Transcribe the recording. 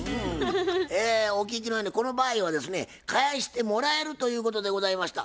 えお聞きのようにこの場合はですね返してもらえるということでございました。